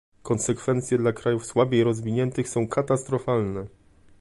Konsekwencje dla krajów słabiej rozwiniętych są katastrofalne